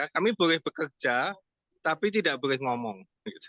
kami boleh bekerja tapi tidak boleh ngomong